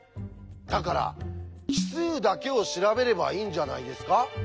だから奇数だけを調べればいいんじゃないですか？